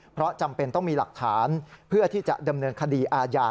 เพราะจำเป็นต้องมีหลักฐานเพื่อที่จะดำเนินคดีอาญา